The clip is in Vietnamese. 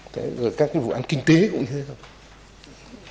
thế rồi các cái vụ án kinh tế cũng như thế thôi